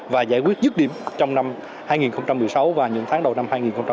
và giải quyết dứt điểm trong năm hai nghìn một mươi sáu và những tháng đầu năm hai nghìn một mươi chín